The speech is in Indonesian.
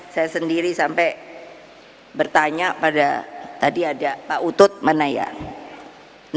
saya sendiri sampai bertanya pada tadi ada pak utut mana yang